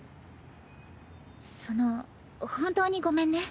その本当にごめんね